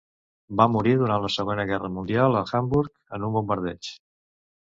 Va morir durant la Segona Guerra Mundial a Hamburg en un bombardeig.